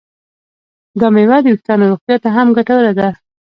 دا میوه د ویښتانو روغتیا ته هم ګټوره ده.